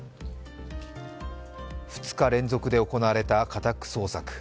２日連続で行われた家宅捜索。